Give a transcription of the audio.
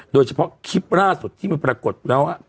โดยเฉพาะคลิปล่าสุดที่มันปรากฏแล้ว